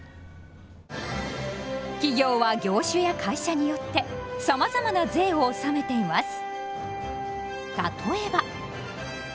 企業は業種や会社によってさまざまな税を納めています。